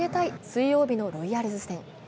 水曜日のロイヤルズ戦。